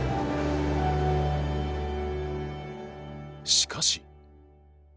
しかし。